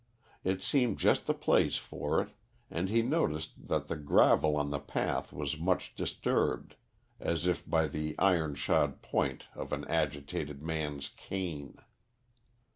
It seemed just the place for it, and he noticed that the gravel on the path was much disturbed, as if by the iron shod point of an agitated man's cane.